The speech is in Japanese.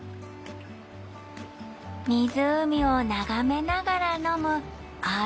湖を眺めながら飲むー